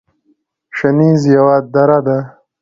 شنیز یوه دره ده